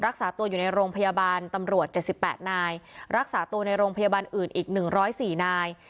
รักษาตัวอยู่ในโรงพยาบาลตำรวจเจ็ดสิบแปดนายรักษาตัวในโรงพยาบาลอื่นอีกหนึ่งร้อยสี่นาย